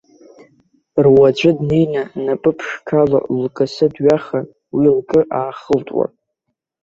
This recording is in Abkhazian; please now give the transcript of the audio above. Руаӡәы днеины, напы ԥшқала лкасы дҩахан, уи лҿы аахылтуан.